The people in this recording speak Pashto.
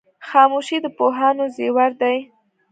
خاموشي د پوهانو زیور دی.